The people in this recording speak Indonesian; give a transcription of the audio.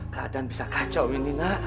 keadaan bisa kacau ini nak